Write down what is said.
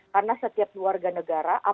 karena setiap warga negara